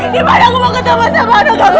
di mana aku mau ketemu sama anak aku